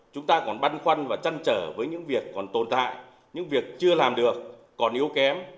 chúng ta còn băn khoăn và chăn trở với những việc còn tồn tại những việc chưa làm được còn yếu kém